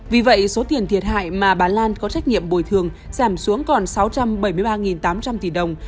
vì vậy số tiền thiệt hại mà bà lan có trách nhiệm bồi thường giảm xuống còn sáu trăm bảy mươi ba tám trăm linh tỷ đồng